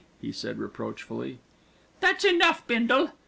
he said reproachfully. "That's enough, Bindle."